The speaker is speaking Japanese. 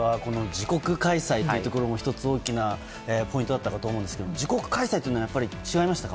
自国開催というのも１つ、大きなポイントだったかと思うんですが自国開催はやっぱり違いましたか？